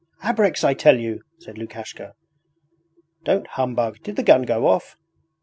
'Abreks, I tell you!' said Lukashka. 'Don't humbug! Did the gun go off? ...'